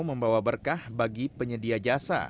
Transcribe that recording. membawa berkah bagi penyedia jasa